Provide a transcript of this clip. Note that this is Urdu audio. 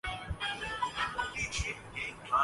صحت، تعلیم اور انصاف قوم کی بنیادی ضروریات ہیں۔